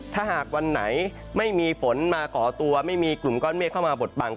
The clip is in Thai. ถ้าหากวันไหนไม่มีฝนมาก่อตัวไม่มีกลุ่มก้อนเมฆเข้ามาบดบัง